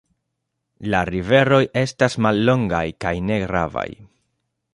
La riveroj estas mallongaj kaj ne gravaj.